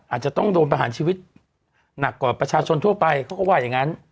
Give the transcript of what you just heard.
อาจจะต้องโดนประหารชีวิตหนักกว่าประชาชนทั่วไปเขาก็ว่าอย่างนั้น